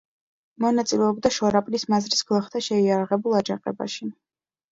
მონაწილეობდა შორაპნის მაზრის გლეხთა შეიარაღებულ აჯანყებაში.